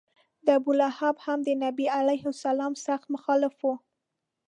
ابولهب هم د نبي علیه سلام سخت مخالف و.